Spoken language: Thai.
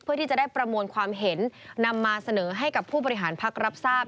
เพื่อที่จะได้ประมวลความเห็นนำมาเสนอให้กับผู้บริหารพักรับทราบ